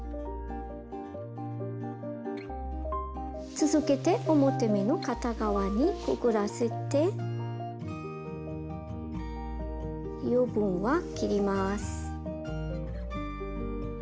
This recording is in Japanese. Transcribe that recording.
続けて表目の片側にくぐらせて余分は切ります。